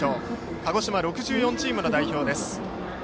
鹿児島６４チームの代表です。